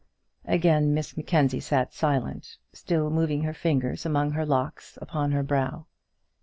Again Miss Mackenzie sat silent, still moving her fingers among the locks upon her brow.